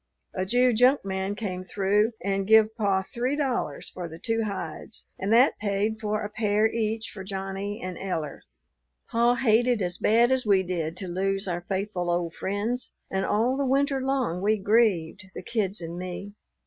A Jew junk man came through and give pa three dollars for the two hides, and that paid for a pair each for Johnny and Eller. "Pa hated as bad as we did to lose our faithful old friends, and all the winter long we grieved, the kids and me.